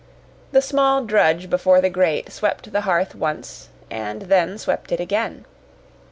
The small drudge before the grate swept the hearth once and then swept it again.